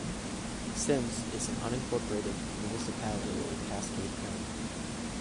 Simms is an unincorporated municipality of Cascade County.